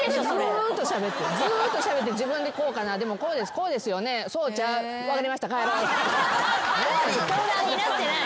ずっとしゃべって自分で「こうかなでもこうですこうですよね？」「そうちゃう？」「分かりました帰ろ」相談になってない。